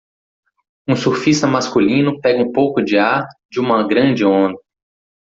Um surfista masculino pega um pouco de ar de uma grande onda.